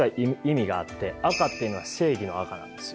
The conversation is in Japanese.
赤っていうのは正義の赤なんですよ。